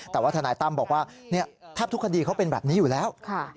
แต่ว่าทนายตั้มบอกว่าแทบทุกคดีเขาเป็นแบบนี้อยู่แล้ว